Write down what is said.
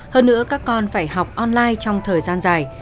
hơn nữa các con phải học online trong thời gian dài